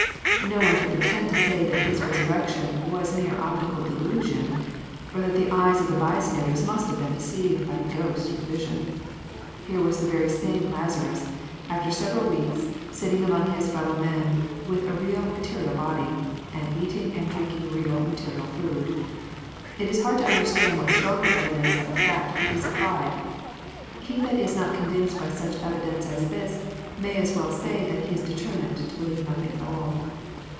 No one could pretend to say that his resur rection was a mere optical delusion, and that the eyes of the bystanders must have been deceived by a ghost or vision. Here was the very same Lazarus, after several weeks, sitting among his fellow men with a real material body, and eating and drinking real matmal food. It is hard to understand what stronger evidence of a fact could be supplied. He that is not convinced by such evidence as this may as well say that he is determined to believe nothing at all.